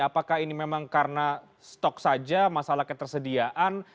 apakah ini memang karena stok saja masalah ketersediaan